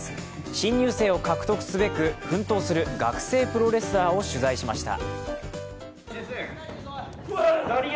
新入生を獲得すべく奮闘する学生プロレスラーを取材しました。